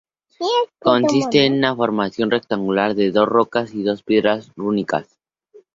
Consiste en una formación rectangular de rocas y dos piedras rúnicas.